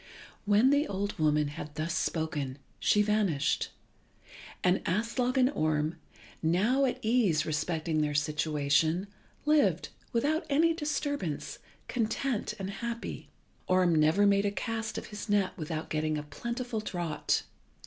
When the old woman had thus spoken she vanished, and Aslog and Orm, now at ease respecting their situation, lived, without any disturbance, content and happy. Orm never made a cast of his net without getting a plentiful draught.